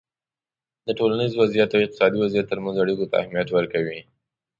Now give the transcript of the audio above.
د ټولنیز وضععیت او اقتصادي وضعیت ترمنځ اړیکو ته اهمیت ورکوی